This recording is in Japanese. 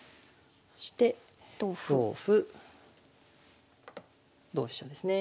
そして同歩同飛車ですね。